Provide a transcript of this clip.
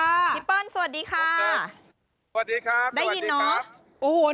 สวัสดีสวัสดีครับได้ยินไหมครับ